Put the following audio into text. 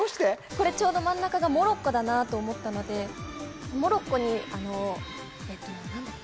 これちょうど真ん中がモロッコだなと思ったのでモロッコにあのえと何だっけ？